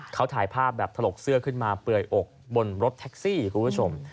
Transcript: เขาถ่ายภาพแบบถลกเสื้อขึ้นมาเปื่อยอกบนรถแท็กซี่คุณผู้ชม